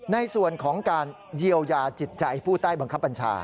ในส่วนของการเยียวยาจิตใจผู้ใต้บังคับบัญชา